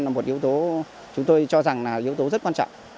là một yếu tố chúng tôi cho rằng là yếu tố rất quan trọng